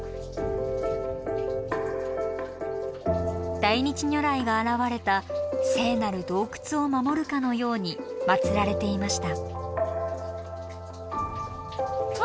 大日如来が現れた聖なる洞窟を守るかのようにまつられていました。